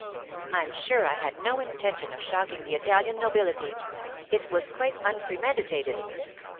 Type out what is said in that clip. I'm sure I had no intention of shocking the Italian nobility; it was quite unpremeditated.